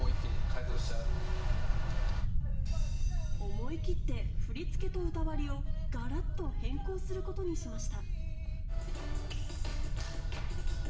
思い切って振り付けと歌割りをガラっと変更することにしました。